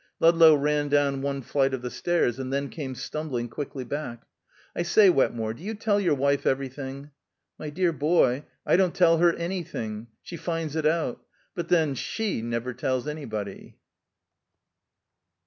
Ludlow ran down one flight of the stairs, and then came stumbling quickly back. "I say, Wetmore. Do you tell your wife everything?" "My dear boy, I don't tell her anything. She finds it out. But, then, she never tells anybody."